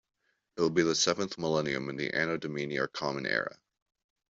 It will be the seventh millennium in the Anno Domini or Common Era.